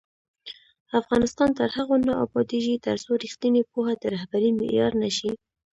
افغانستان تر هغو نه ابادیږي، ترڅو ریښتینې پوهه د رهبرۍ معیار نه شي.